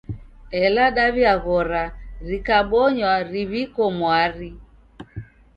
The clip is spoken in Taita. Ela dawi'aghora rikabonywa riw'iko mwari.